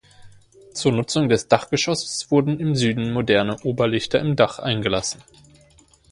Zur Nutzung des Dachgeschosses wurden im Süden moderne Oberlichter im Dach eingelassen.